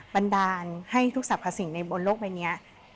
บันดาลให้ทุกศัพท์ภาษิงในโลกใบนี้